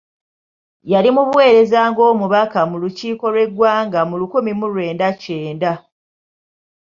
Yali mu buweereza ng'omubaka mu lukiiko lw'eggwanga mu lukimi mu lwenda kyenda.